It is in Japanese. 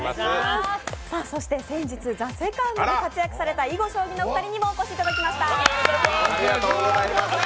そして先日、「ＴＨＥＳＥＣＯＮＤ」で活躍された囲碁将棋のお二人にもお越しいただきました。